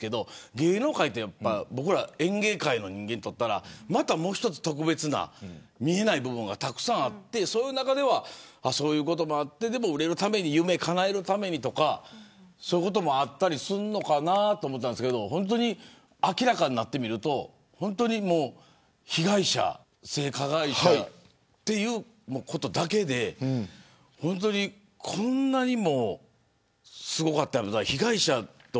芸能界って僕ら演芸界の人間にとったらまた、もう一つ特別な見えない部分があってその中ではそういうこともあって売れるために夢をかなえるためにそういうこともあったりするのかなと思ったんですけど明らかになってみると本当に被害者性加害者ということだけでこんなにもすごかったのか